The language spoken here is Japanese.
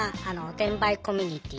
転売コミュニティー。